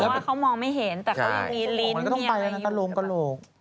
มันก็ต้องไปแล้วมันก็โรงกะโหลก